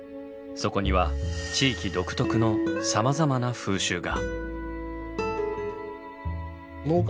そこには地域独特のさまざまな風習が。